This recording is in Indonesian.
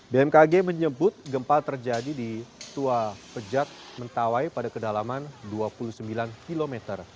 bmkg menyebut gempa terjadi di tua pejat mentawai pada kedalaman dua puluh sembilan km